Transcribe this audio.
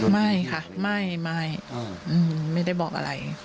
ไม่ค่ะไม่ไม่ได้บอกอะไร